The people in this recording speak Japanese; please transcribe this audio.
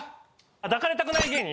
「抱かれたくない芸人」